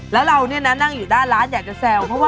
แล้วเราเนี่ยนะนั่งอยู่ด้านร้านอยากจะแซว